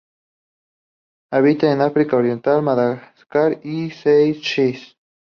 Habita en África Oriental, Madagascar y Seychelles.